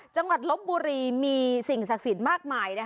จังหวัดลบบุหรีมีสิ่งศักดิ์สิทธิ์มากมาย